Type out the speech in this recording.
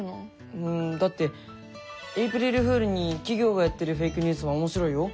うんだってエイプリルフールに企業がやってるフェイクニュースも面白いよ。